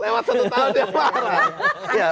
lewat satu tahun dia merah